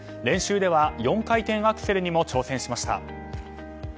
練習では４回転アクセルにも挑戦しました。